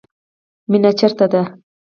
مینه چیرته ده؟